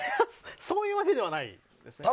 そういう訳ではないですね。